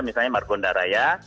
misalnya marko undaraya